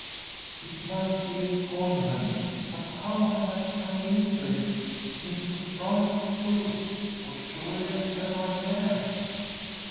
"It must be a convent! But how have I come into it? Into France, too; for surely am I there?